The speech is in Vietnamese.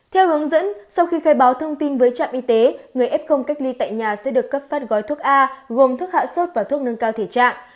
theo hướng dẫn sau khi khai báo thông tin với trạm y tế người f cách ly tại nhà sẽ được cấp phát gói thuốc a gồm thuốc hạ sốt và thuốc nâng cao thể trạng